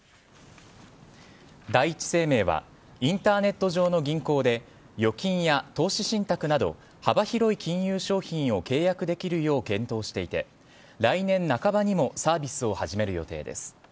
第一生命はインターネット上の銀行で預金や投資信託など幅広い金融商品を契約できるよう検討していて来年半ばにもサービスを始める予定です。